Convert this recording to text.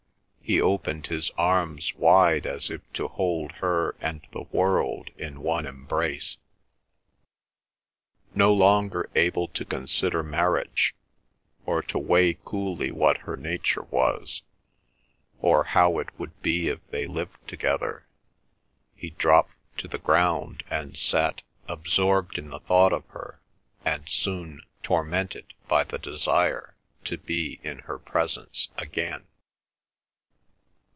He opened his arms wide as if to hold her and the world in one embrace. No longer able to consider marriage, or to weigh coolly what her nature was, or how it would be if they lived together, he dropped to the ground and sat absorbed in the thought of her, and soon tormented by the desire to be in her presence again.